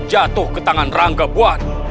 jatuh ke tangan rangkapuan